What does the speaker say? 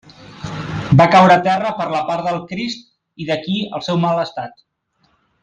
Va caure a terra per la part del crist i d'aquí el seu mal estat.